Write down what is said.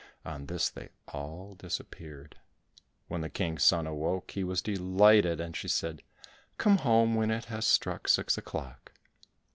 On this they all disappeared. When the King's son awoke, he was delighted, and she said, "Come home when it has struck six o'clock."